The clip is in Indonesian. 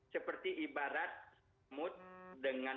seperti ibarat semut dengan gula